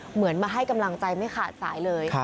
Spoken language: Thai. เหมือนมาให้กำลังใจไม่ขาดสายเลย